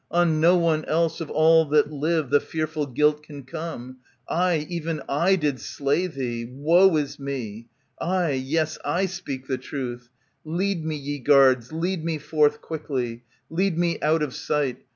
On no one else, Of all that live, the fearful guilt can come ; I, even I, did slay thee, woe is me ! I, yes, I speak the truth. Lead me, ye guards ^^^^ Lead me forth quickly ; lead me out of sight.